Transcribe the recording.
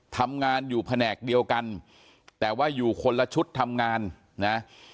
ทำงานอยู่แผนกเดียวกันแต่ว่าอยู่คนละชุดทำงานนะ